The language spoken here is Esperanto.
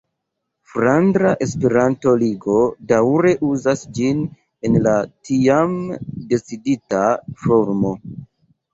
Flandra Esperanto-Ligo daŭre uzas ĝin en la tiam decidita formo.